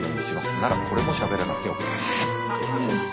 ならこれもしゃべらなくてよかった。